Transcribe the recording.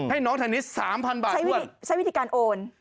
ให้น้องเทนนิส๓๐๐บาทใช้วิธีการโอน